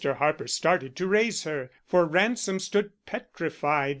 Harper started to raise her, for Ransom stood petrified.